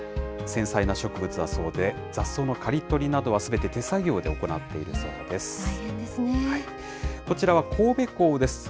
繊細な植物だそうで、雑草の刈り取りなどはすべて手作業で行って大変ですね。